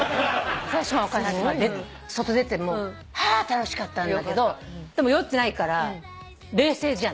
お金払って外出ても楽しかったんだけど酔ってないから冷静じゃん。